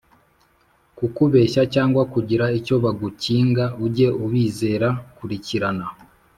kukubeshya cyangwa kugira icyo bagukinga Uge ubizera Kurikirana